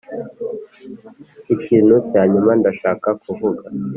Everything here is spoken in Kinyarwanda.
ikintu cya nyuma ndashaka kuvuga: